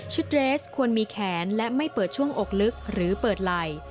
เรสควรมีแขนและไม่เปิดช่วงอกลึกหรือเปิดไหล่